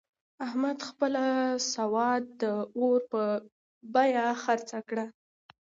احمد خپله سودا د اور په بیه خرڅه کړه.